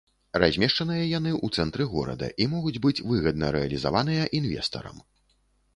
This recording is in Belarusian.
Размешчаныя яны ў цэнтры горада і могуць быць выгадна рэалізаваныя інвестарам.